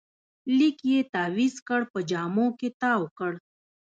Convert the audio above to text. لیک یې تاویز کړ، په جامو کې تاوکړ